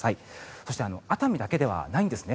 そして熱海だけではないんですね。